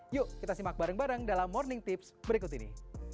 yuk kita simak bareng bareng dalam morning tips berikut ini